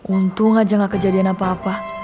untung aja gak kejadian apa apa